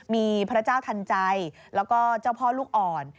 มีพระเจ้าทันใจแล้วก็เจ้าพ่อลูกอ่อน